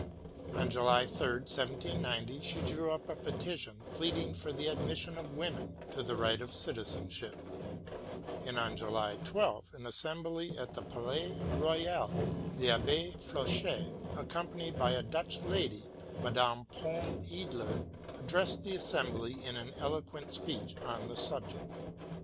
On July 3, 1790, she drew up a petition pleading 92 WILLIAM GODWIN AND for the admission of women to the right of citizen ship, and on July 12, at an assembly in the Palais Royal, the Abbe Fauchet, accompanied by a Dutch lady, Madame Palm Aedler, addressed the assembly in an eloquent speech on that subject.